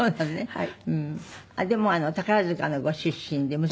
はい。